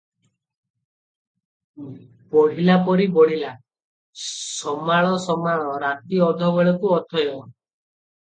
ବଢ଼ିଲାପରି ବଢିଲା- ସମାଳ, ସମାଳ- ରାତି ଅଧ ବେଳକୁ ଅଥୟ ।